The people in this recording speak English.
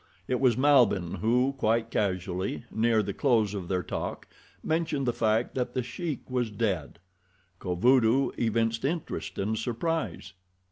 It was Malbihn who, quite casually, near the close of their talk, mentioned the fact that The Sheik was dead. Kovudoo evinced interest and surprise.